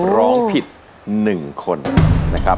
ร้องผิด๑คนนะครับ